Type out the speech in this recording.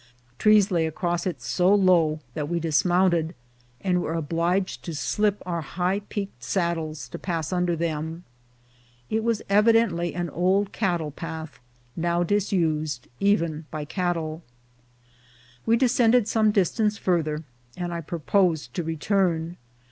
Trees lay across it so low that we dismounted, and were obliged to slip our high peaked saddles to pass under them. It was evi dently an old cattle path, now disused even by cattle. We descended some distance farther, and I proposed to return.